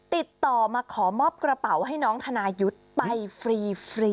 ติดต่อมาขอมอบกระเป๋าให้น้องธนายุทธ์ไปฟรี